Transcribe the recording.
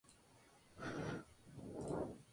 Asistían igualmente a los paganos que a los fieles.